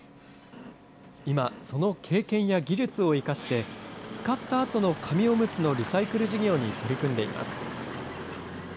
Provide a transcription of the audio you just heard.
今、その経験や技術を生かして、使ったあとの紙おむつのリサイクル事業に取り組んでいます。